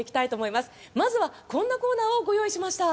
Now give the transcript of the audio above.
まずは、こんなコーナーをご用意しました。